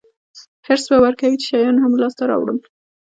حرص به ورکوي چې شیان هم لاسته راوړم.